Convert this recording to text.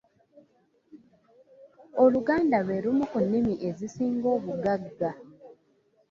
Oluganda lwe lumu ku nnimi ezisinga obugagga.